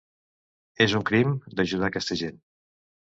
És un crim, d'ajudar aquesta gent.